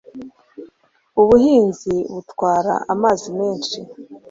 Ubuhinzi butwara amazi menshi.